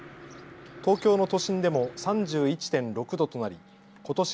東京の都心でも３１．６度となりことし